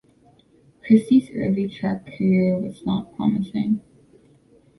Christie's early track career was not promising.